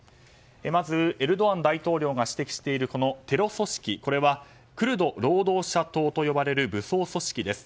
まずエルドアン大統領が指摘しているテロ組織、これはクルド労働者党と呼ばれる武装組織です。